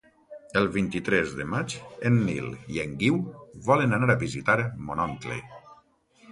El vint-i-tres de maig en Nil i en Guiu volen anar a visitar mon oncle.